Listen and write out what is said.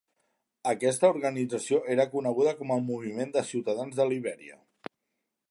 Aquesta organització era coneguda com el moviment de ciutadans de Libèria.